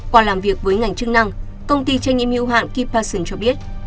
qua làm việc với ngành chức năng công ty tranh nghiệm hữu hạng kipasung cho biết